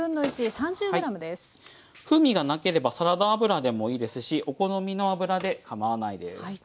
風味がなければサラダ油でもいいですしお好みの油でかまわないです。